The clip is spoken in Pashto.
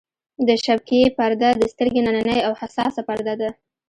د شبکیې پرده د سترګې نننۍ او حساسه پرده ده.